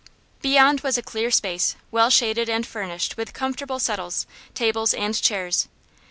Beyond was a clear space, well shaded and furnished with comfortable settles, tables and chairs.